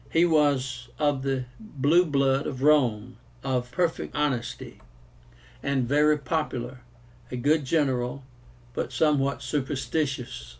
He was of the "blue" blood of Rome, of perfect honesty, and very popular, a good general, but somewhat superstitious.